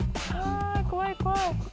怖い怖い。